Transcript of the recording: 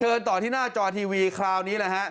เชิญต่อที่หน้าจอทีวีคราวนี้ครับ